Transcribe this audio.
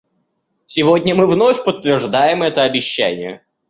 Сегодня мы вновь подтверждаем это обещание.